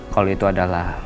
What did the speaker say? kalau itu adalah